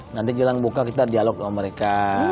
nanti jelang buka kita dialog sama mereka